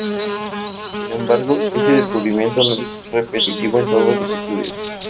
Sin embargo, este descubrimiento no es repetitivo en todos los estudios.